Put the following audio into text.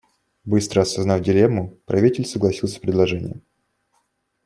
Быстро осознав дилемму, правитель согласился с предложением.